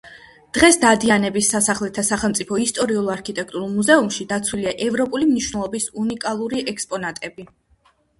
დღეს დადიანების სასახლეთა სახელმწიფო ისტორიულ-არქიტექტურულ მუზეუმში დაცულია ევროპული მნიშვნელობის უნიკალური ექსპონატები